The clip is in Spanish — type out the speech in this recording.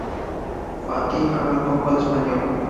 Fatih habla un poco de español.